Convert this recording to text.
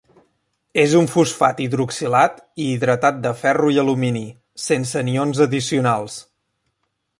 És un fosfat hidroxilat i hidratat de ferro i alumini, sense anions addicionals.